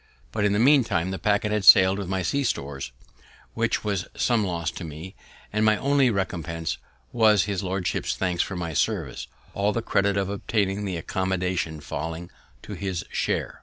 But, in the meantime, the packet had sailed with my sea stores, which was some loss to me, and my only recompense was his lordship's thanks for my service, all the credit of obtaining the accommodation falling to his share.